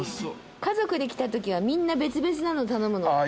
家族で来たときはみんな別々なの頼むの。